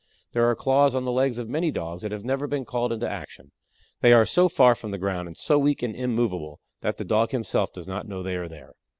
There are claws on the legs of many Dogs that have never been called into action. They are so far from the ground and so weak and immovable that the Dog himself does not know they are there.